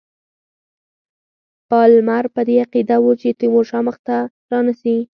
پالمر په دې عقیده وو چې تیمورشاه مخته رانه سي.